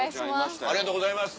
ありがとうございます。